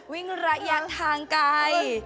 วิ่งระยะทางไกล